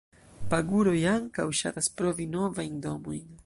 Paguroj ankaŭ ŝatas provi novajn domojn.